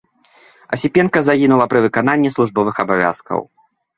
Асіпенка загінула пры выкананні службовых абавязкаў.